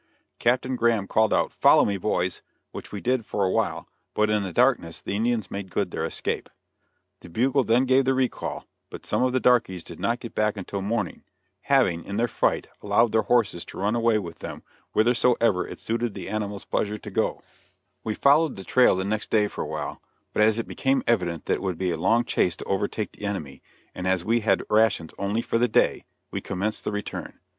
Captain Graham called out "Follow me boys!" which we did for awhile, but in the darkness the Indians made good their escape. The bugle then gave the re call, but some of the darkies did not get back until morning, having, in their fright, allowed their horses to run away with them whithersoever it suited the animal's pleasure to go. [Illustration: THE INDIAN HORSE THIEVES.] We followed the trail the next day for awhile, but as it become evident that it would be a long chase to overtake the enemy, and as we had rations only for the day, we commenced the return.